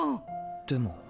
でも。